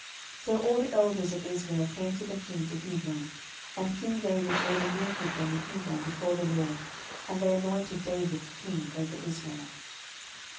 10:005:003 So all the elders of Israel came to the king to Hebron; and king David made a league with them in Hebron before the LORD: and they anointed David king over Israel.